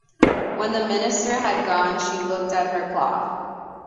When the minister had gone, she looked at her cloth.